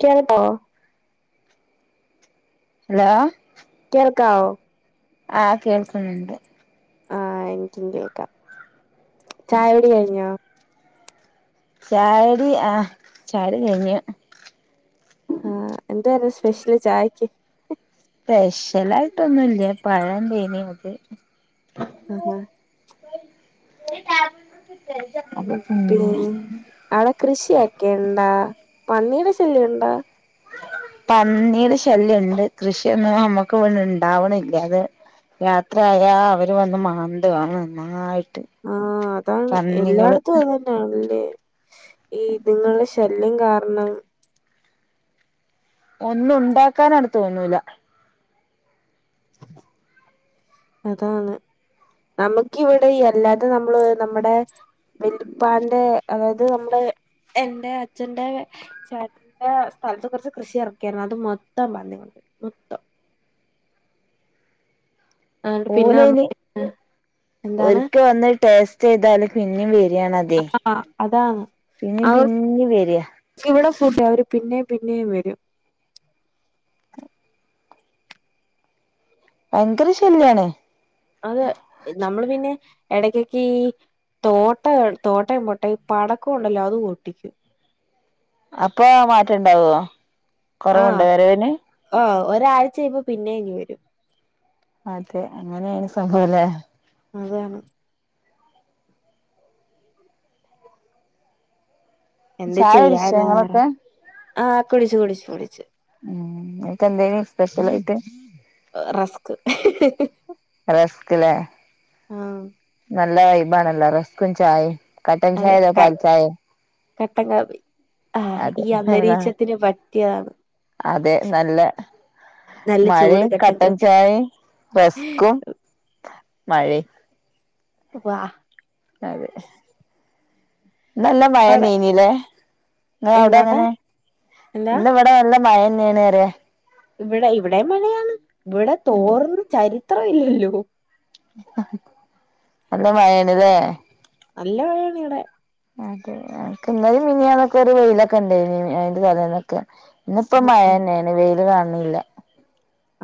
കേട്ടോ? ഹലോ കേൾക്കാവോ? ആ കേൾക്കുന്നുണ്ട്. ആഹ എനിക്കും കേൾക്കാം. ചായ കുടി കഴിഞ്ഞോ? ചായകുടി ആഹ ചായ കുടി കഴിഞ്ഞു ആഹ എന്തുവാര്ന്ന് സ്പെഷ്യല് ചായക്ക് സ്പെഷ്യൽ ആയിട്ടൊന്നുംല്ല പഴം [unintelligible] ആഹ [unintelligible] തിന്ന് പിന്നെ അവിടെ കൃഷിയൊക്കെ ഉണ്ടാ പന്നിയുടെ ശല്യം ഉണ്ടാ പന്നീടെ ശല്യം ഉണ്ട് കൃഷിയൊന്നും നമ്മുക്ക് ഇവിടഇണ്ടാവണില്ല അത് രാത്രി ആയാ അവര് വന്ന് മാന്താണ് ന ആഹ അതാണ് എല്ലായിടത്തും അത് തന്നെയണല്ലേ ഈ ഇതുങ്ങളുടെ ശല്യം കാരണം ഒന്നും ഉണ്ടാക്കാനാട് തോന്നൂല [inaudible] അതാണ് നമുക്കിവിടെ അല്ലാതെ നമ്മൾ നമ്മുടെ വലിപ്പാന്റെ അതായത് നമ്മുടെ എന്റെ അച്ഛന്റെ ചേട്ടന്റെ സ്ഥലത്ത് കുറച്ച് കൃഷി ഇറക്കിയാരുന്നു അത് മൊത്തം പന്നി മൊത്തം ആണ്ട് പിന്നെ ഓൻ നമ്മ ഇനി എന്താണ് ഒരിക്കൽ വന്ന് ടേസ്റ്റ് ചെയ്താല് പിന്നയും വരും ആഹ അതാണ് പിന്നിം പിന്നിം വരാ ഇവിടെ [unintelligible] [unintelligible] അവര് പിന്നെയും പിന്നെയും വരും ഭയങ്കര ശല്യാണ് അതെ നമ്മള് പിന്നെ ഇടക്ഒക്കെഈ തോട്ട തോട്ടയും മൊട്ടയും പടക്കം ഉണ്ടല്ലോ അത്പൊട്ടിക്കും അപ്പൊ മാറ്റമുണ്ടാവുവോ ആഹ് കൊറവുണ്ട് വരവിന് ആഹ് ഒരാഴ്ച കഴിയുമ്പ പിന്നെ ഇങ്ങ്‌വരും അതെ അങ്ങനെയാണ് സംഭവല്ലേ അതാണ് എന്ത് ചായ കുടിച്ചോ ചെയ്യാനാപറ ഇങ്ങളൊക്കെ ആഹ് കുടിച്ചു കുടിച്ചു കുടിച്ചു നിനക്കെന്തേനി സ്പെഷ്യൽ ആയിട്ട് റസ്ക് റസ്ക് ഇലെ ആഹ നല്ല വൈബാണല്ലോ റസ്ക്കും ചായയും കട്ടൻ ചായ അല്ല പാൽ ചായ കട്ടങ്കാപ്പി അതെ പറ്റിയതാണ് അതെ നല്ല നല്ല ചൂട് മഴയും കട്ടൻ കാപ്പി ചായയും റസ്ക്കും മഴയും വാ അതെ നല്ല മഴം അവിടെ നനഞ്ഞില്ലേ അവിടെ എന്താണ് എങ്ങനെ എന്താ ഇന്ന് ഇവിടെ നല്ല മഴ ണരെ [inaudible] ഇവിടെ ഇവിടെ മഴയാണ് ഇവിടെ തോർന്ന ചരിത്രം ഇല്ലല്ലോ നല്ല മഴയാണല്ലെ നല്ല മഴയാണ് ഇവിടെ [unintelligible] ക്കിന്നലയും മിനിഞ്ഞാന്നൊക്കെ ഒരു വെയിലൊക്കെ ഉണ്ട് അയിന്റെ തലേന്നൊക്കെ ആ ഇന്നിപ്പം മഴ തന്നെയാണ് വെയില് കാണണില്ല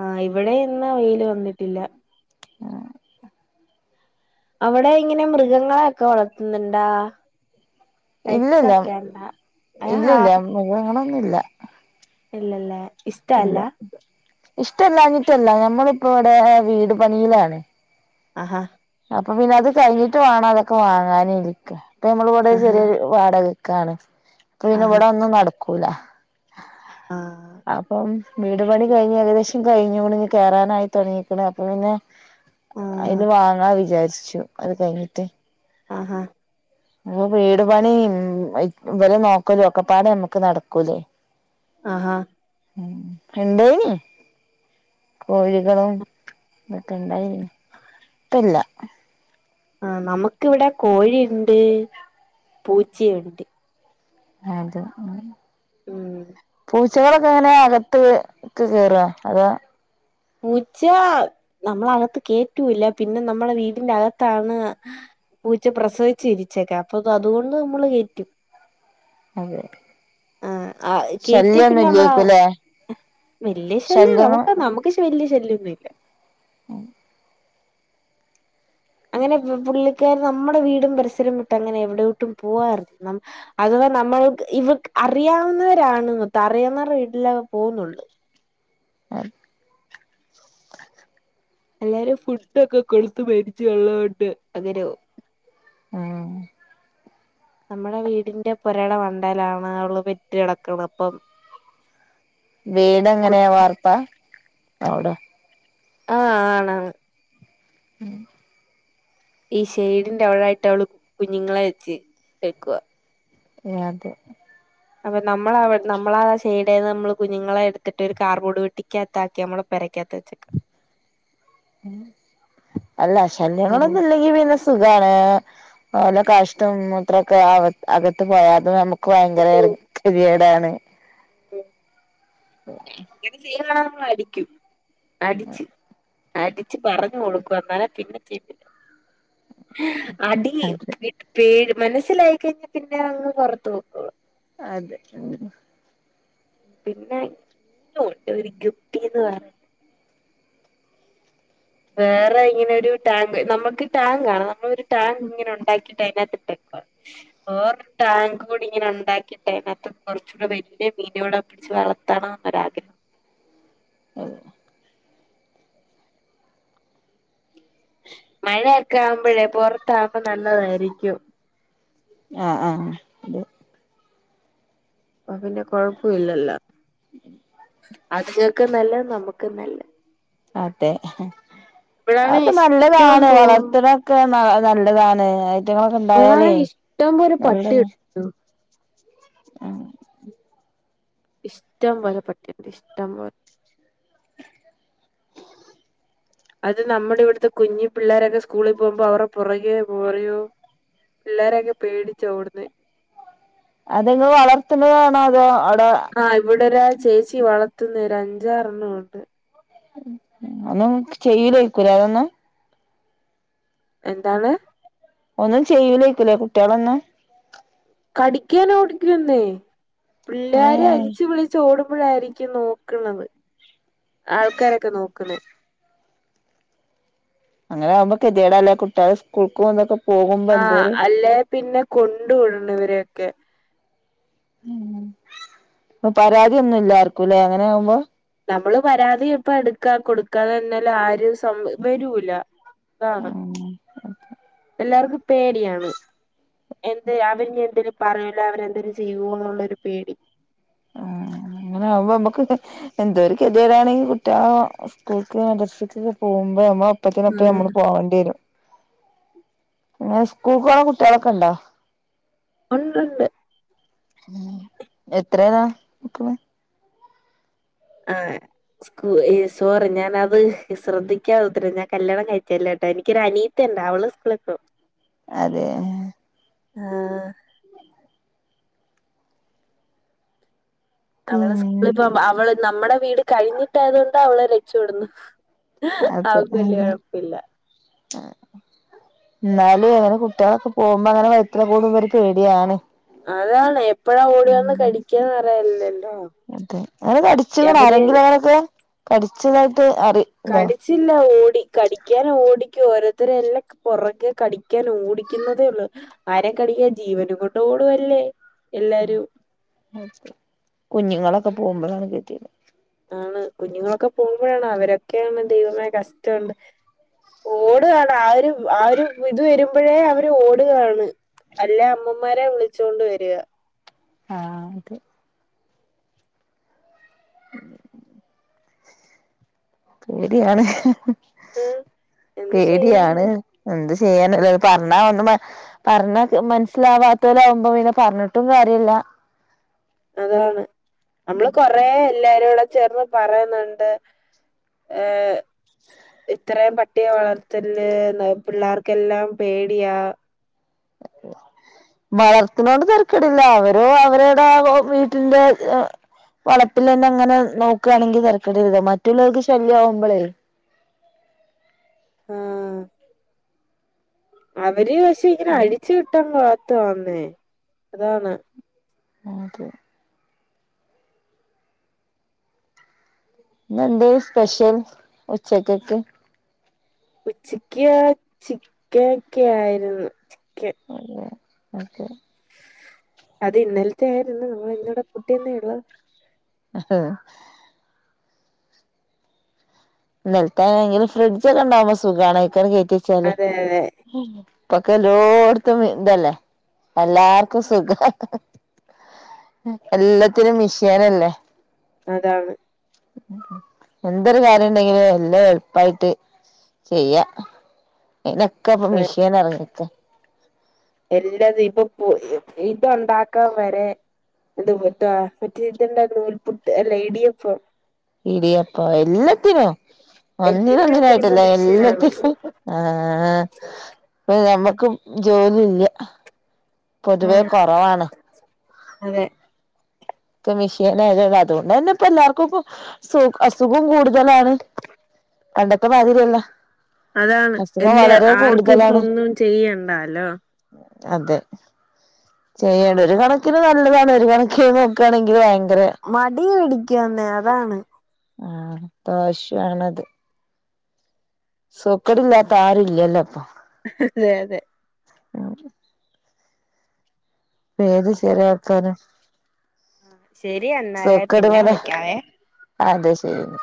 ആഹ് ഇവിടെയും ഇന്ന് വെയില് വന്നിട്ടില്ല [inaudible] അവിടെ ഇങ്ങനെ മൃഗങ്ങളെ ഒക്കെ വളർത്തുന്നുണ്ടാ ഇല്ലില്ല പെറ്റ്സൊക്കെ ഉണ്ടാ ഏ ആ ഇല്ലില്ല മൃഗങ്ങളൊന്നും ഇല്ല ഇല്ലല്ലേ ഇഷ്ട അല്ല ഇഷ്ടല്ലാഞ്ഞിട്ടല്ല ഞമ്മളിപ്പം ഇവിടെ വീട് പണിയിലാണ്. അഹാ അപ്പം പിന്നെ അത് കഴിഞ്ഞിട്ട് വേണം അതൊക്കെ വാങ്ങാന് ഇരിക്ക അപ്പം നമ്മൾ ഇവിടെ ആഹാ ചെറിയൊരു വാടക ക്കാണ് അപ്പം പിന്നെ ഇവിടെ ഒന്നും നടക്കൂല ആഹ് അപ്പം വീട് പണി കഴിഞ്ഞ് ഏകദേശം കഴിഞ്ഞൂണ് കയറാനായി തുടങ്ങീക്ക്ണ് അപ്പം പിന്നെ ആ അയിന് വാങ്ങ് രിച്ചു അത് കഴിഞ്ഞിട്ട് ആഹ അപ്പൊ വീട് പണി ഇവരെ നോക്കല് ഒക്കെപ്പാട് നമ്മക്ക് നടക്കൂലേ ആഹാ ഉം എന്തേനി കോഴികളും ഇതൊക്കെണ്ടായി ഇപ്പില്ല ആ നമുക്ക് ഇവിടെ കോഴി ഇണ്ട്, പൂച്ചയും ഉണ്ട് അതും ഉം പൂ ചകളൊക്ക എങ്ങനെയാ അകത്ത് ക്ക് കേറ അതാ പൂച്ച നമ്മള് അകത്ത് കേറ്റൂല്ല പിന്നെ നമ്മള വീടിന്റെ അകത്താണ് പൂച്ച പ്രസവിച്ച് ഇരിച്ചക്കെ അപ്പൊ അതുകൊണ്ട് നമ്മള് കയറ്റും അതെ ആ കേറ്റിയ ശല്യൊന്നും പിന്നെ നമ്മള് ഇല്ലേക്കുല്ലേ വല്ല്യ ശല്യം ശല്യങ്ങൾ [unintelligible] നമുക്ക് വല്ല്യ ശല്ല്യൊന്നും ഇല്ല ഉം അങ്ങനെ പു പുള്ളിക്കാര് നമ്മടെ വീടും പരിസരവും വിട്ട് അങ്ങനെ എവിടോട്ടും പോവാറില്ല അത്കൊ ഇപ്പൊ നമ്മൾക്ക് ഇവക്ക് അറിയാവുന്നവരാണ് മൊത്തോം അറിയാവുന്നവർടെ വീട്ടിലൊക്കെ പോവുന്നുള്ള് ആ എല്ലാരും ഫുഡൊക്കെ കൊടുത്ത് പരിജയം ഉള്ളോണ്ട് അങ്ങനെപോം ആഹ് നമ്മടെ വീടിന്റെ പൊരേടെ മണ്ടേലാണ് അവള് പെറ്റ കിടക്ക്ണ അപ്പം [inaudible] വീട് കുട്ടി എങ്ങനെയാ വാർത്ത അവിടെ ആഹ് ആണാണ് ഉം ഈ ഷെയ്ഡിന്റെ അവിടായിട്ട് അവള് കുഞ്ഞുങ്ങളെ വെച്ച് വെച്ചേക്കുവാ അത് അപ്പം നമ്മള് അവി നമ്മളാ ഷെയ്ടേന്ന് നമ്മള് കുഞ്ഞുങ്ങളെ എടുത്തിട്ട് ഒരു കാർബോർഡ് പെട്ടിക്കാത്താക്കി നമ്മള് പെ രക്കാത്ത് വെച്ചക്ക്ണ് ഉം അല്ല ആഹ് ശല്യങ്ങളൊന്നും ഇല്ലെങ്കി പിന്നെ സുഖാണ്. ഓല കാഷ്ടം മൂത്രൊക്കെ അക അകത്ത് പോയാ അത് നമുക്ക് ഭയങ്കര കിരിയേടാണ് അങ്ങന ചെയത നമ്മള് അടിക്കും അടിച്ച് അടിച്ച് പറഞ്ഞു കൊടുക്കും അന്നാലെ പിന്നെ ചെയ്തില്ല അടി അതെ പെ പേടി മനസ്സിലായി കഴിഞ്ഞാ പിന്നെ അങ്ങ് പൊറത്ത് പൊക്കോളും അതെ ഉം ഉ പിന്നെ മീനും ഉണ്ട് ഒരു ഗിപ്പി ന്ന് പറയ വേറെ ഇങ്ങനെ ഒരു ടാങ്ക് നമ്മുക്ക് ടാങ്ക് ആണ നമ്മളൊരു ടാങ്ക് ഇങ്ങനെ ഉണ്ടാക്കിട്ട് അതിനകത്തിട്ടെ വേറെ ടാങ്ക് കൂടി ഇങ്ങനെ ഉണ്ടാക്കിട്ട് അതിനകത്ത് കൊറച്ചൂട വലിയ മീന കൂടെ പിടി വളർത്തണം എന്നൊരു ആഗ്രഹം അ മഴയൊക്കെ ആവുമ്പോഴേ പുറത്താവുമ്പോ നല്ലതായിരിക്കും ആഹ ആഹ് അതെ അ പിന്നെ കൊഴപ്പ ഇല്ലല്ലോ അതിങ്ങക്ക് നല്ല നമുക്കും നല്ല അതെ അത് ഇഷ്ടം നല്ലതാണ് പോ അതൊക്കെ [unintelligible] ന നല്ല നല്ലതാണ് ഐറ്റങ്ങളൊക്കെ ഇവിടാണ് ഉണ്ടായാലേ ഇഷ്ടം പോലെ പട്ടി [unintelligible] കിട്ടും. ആഹ ഇഷ്ടം പോലെ പട്ടിണ്ട് ഇഷ്ടം പോലെ അത് നമ്മുടെ ഇവിടുത്തെ കുഞ്ഞി പിള്ളേരൊക്കെ സ്കൂളിൽ പോകുമ്പോ അവടെ പുറകെോ പോറയോ പിള്ളോരൊക്കെ പേടിച്ച ഓടന്ന് അതെങ് വളർത്തുന്നതാണോ അതോ ആഹ് ഇവിടെ ഒരാൾ ചേച്ചി വളർത്തുന്ന ഒ ഒരു അഞ്ചാറെണ്ണുണ്ട് ഒന്നും ചെയ്യു ലായിരിക്കുമല്ലേ അതൊന്നും എന്താണ് ഒന്നും ചെയ്യു ലായിരിക്കുമല്ലേ കുട്ടികളൊന്നും കടിക്കാന ഓടിക്കുന്നേ പിള്ളേര ഏഹ് അരിച്ച് വിളിച്ച്ച് ഓടുമ്പ എപ്പോഴായിരിക്കും നോക്കത് ആൾക്കാരൊക്കെ [unintelligible] കെതിയട അല്ല കുട്ടികെ സ്കൂൾക്ക് പോകന്നൊക്കെ ആഹ അല്ലേ പിന്നെ കൊണ്ട വിടേണ്ടി ഇവരൊക്കെ അ പരാതിയൊന്നുമില്ലേർക്കും ആർക്കും നമ്മള് പരാതി ഇപ്പ എടുക്കാ കൊടുക്കാ എന്നാല ആരും സം വരൂല അതാണ് ആകുമ്പോ എല്ലാർക്കും പേടിയാണ് എന്ത് അവരി എന്തേലും പറൂല അവരെ എന്തേലും ചെയ്യുവോ എന്നുള്ളൊരു പേടി ആഹ് [unintelligible] അങ്ങനെ ആകുമ്പോ നമ്മുക്ക് എന്തോ കെതിരായാണെ കുട്ടാ സ്കൂർശക്ക പോകുമ്പോ നമ്മ അപ്പത്തിനപ്പം ആഹ് നമ്മള് പോകേണ്ടി വരും പിന്നെ സ്കൂൾക്കണ കുട്ടികളൊക്കെ ഇണ്ടോ ഒണ്ട് എത്രയാ ആ് സോറി ഞാനത് ശ്രദ്ധിക്കത്തിെ ഞാൻ കല്യാണം കഴിച്ചല്ലേട്ട എനിക്കൊ ഒരു അനീത്ത ഉണ്ട് അവള് സ്കൂളക്ക അതെ ആഹ അവളെ പിന്നെ സ്കൂളിപോകുമ്പോ അവള് നമ്മുടെ വീട് കഴിഞ്ഞിട്ടായയത കൊണ്ട് അവളെ രക്ഷപടുന്നു അതെ അവൾക് വല്ല ആഹ് ഒഴപ്പില്ല എന്നാലും എങ്ങനെ കുട്ടികളൊക്കെ പോകുമ്പോ അങ്ങനെ വൈത്തി കൂടുമ്പ്പ ഒരു പേടിയാണ് അതാണ് ഇപ്പഴാ ഓടി വന്ന് ഉം കടിക്കാന്ന്റിയല്ലല്ലോ അതെ അവര് കഠിച്ചത കടിച്ചില്ല ഓടി കടിക്കാനും ഓടി ഓരോത്തരെല്ലാം പുറകെ കടിക്കാൻ ഓടിക്കുന്നതേ ഉള്ളു ആരെ കടിക്കാ ജീവനും കൊണ്ട [unintelligible] കുഞ്ഞുങ്ങളൊക്കെ പോകുമ്പോഴാണ് കിട്ടിയത് ആണ് കുഞ്ഞുങ്ങളൊക്കെ പോകുമ്പോഴാണ് അവരൊക്കെയാണ് ദൈവമെ കഷ്ടമുണ്ട് ഓടു കയാണ് ആര് ആ ഒരു ഇത് വരുമ്പോഴേ അവര് ന്റെ ഓടുകാണ് അല്ലേ അമ്മമാരെ വിളിച്ചൊണ്ട് വരിക ആഹ് അത് [inaudible] പേടിയാണ് ഉം എന്ത് ചെയ്യാന് പേടിയാണ് എന്ത് ചെയ്യാനല്ലോത് പറഞ്ഞ ഒന്ന [unintelligible] പറഞ്ഞാ മനസ്സിലാവാത്തലാവുമ്പോ പിന്നെ പറഞ്ഞിട്ടും കാര്യല്ല അതാണ് നമ്മള് കൊറേ എല്ലാരുംടെ ചേർന്ന് പറയുന്നുണ്ട് ഏ ത്രയും പട്ടിയെ വളർത്തല്ലേന്ന് പിള്ളേർക്കെല്ലാം പേടിയാ വളർത്തിനോണ്ട് തരക്കേടില്ല അവരോ അവരുടെ വീട്ടിന്റെ വളപ്പിൽ ന്നെ അങ്ങനെ നോക്കണെങ്കി തെരക്കേണ്ടി ല്ല മറ്റുള്ളവർക്ക് ശല്യമാവുമ്പോളേ ആഹ് അവര് പക്ഷെ ഇങ്ങനെ അഴിച്ചു വിട്ടാ വളർത്തുന്നേ അതാണ് നക്ക് എന്ത സ്പെഷ്യൽ ഉച്ചക്കൊക്ക് ഉച്ചക്ക് ചിക്കൻ ഒക്കെ ആയിരുന്നു. ചിക്കൻ ഓക്കെ അത് ഇന്നലത്തെ ആയിരുന്നു നമ്മൾ ഇന്നടെ കുട്ടിന്നെള്ളത് ഹഹ നിലത്തങ്കിലും ഫ്രിഡ്ജ ഒക്കെ ഉണ്ടാവുമ്പോ സുഖണ് അഴികങ്ങട്ട് കേറ്റിവെച്ചാല് അതെ അതെ ഇപ്പൊക്കെ എല്ലോടത്തും ഇതല്ലേ എല്ലാർക്കും സുഖം എല്ലത്തിനും മിഷീനല്ലേ അതാണ് എന്തൊരു കാര്യം ഉണ്ടെങ്കില് എല്ലാം എളുപ്പായിട്ട് ചെയ്യാ ഇനൊക്കെ ഇപ്പൊ മിഷീൻ ഇറങ്ങിട്ടെ എല്ലാതിപ്പൊ ഇതണ്ടാക്കാൻ വരെ അത് പട്ടവാ മറ്റേതിണ്ട നൂൽപുട്ട് ലെഡിയപ്പ ഇടിയപ്പം എല്ലത്തിനും ഒന്നിന എല്ലാത്തിനും ഇപ്പൊ ഒന്നിനായിട്ടില്ല മെഷീനാണ് എല്ലത്തിും ആ നമ്മ ക്കും ജോലി ഇല്ല പൊതുവെ ഉം കൊറവാണ്. അതെ ഇപ്പ മിഷീൻായതണ്ട് അതുകൊണ്ട് ന്നെ ഇപ്പൊ എല്ലാർക്കും ഇക്ക സുഖ അസുഖം കൂടുതലാണ്. പണ്ടൊത്തെമാതിരല്ല അതാണ് എല്ല ആർക്കും ഇപ്പ ഒന്നും ചെയ്യണ്ടാലോ അതെ ചെയ്യണ്ട ഒരു കണക്കിന് നല്ലതാണ് ഒരു കണക്കിന നോ.. മടി പിടിക്കന്നെ അതാണ് ആഹ് ദോഷാണത് സൊക്കടില്ലാത്ത ആരുല്ലല്ലോ അപ്പൊ ഹിഹി അതെ ആഹ് പേര് ചെല ആൾക്കാരെ ശെരി എന്നാൽ പിന്നെ വിളിക്കാവേ ആ അതെ ശരി